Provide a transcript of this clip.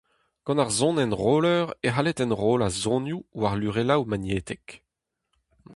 Gant ar sonenroller e c'halled enrollañ sonioù war lurelloù magnetek.